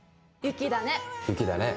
「雪だね。